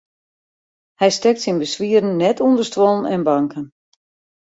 Hy stekt syn beswieren net ûnder stuollen en banken.